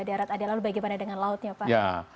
darat ada lalu bagaimana dengan lautnya pak